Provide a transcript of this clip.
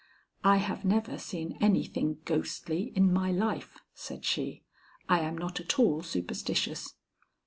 "I have never seen anything ghostly in my life," said she. "I am not at all superstitious."